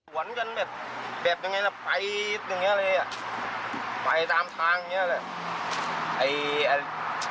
หวันกันแบบนี้ไปตามทางอย่างนี้